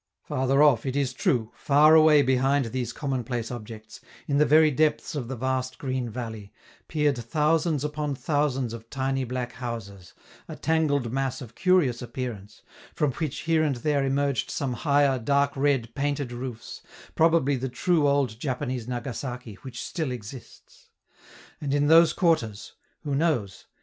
Farther off, it is true, far away behind these commonplace objects, in the very depths of the vast green valley, peered thousands upon thousands of tiny black houses, a tangled mass of curious appearance, from which here and there emerged some higher, dark red, painted roofs, probably the true old Japanese Nagasaki, which still exists. And in those quarters who knows?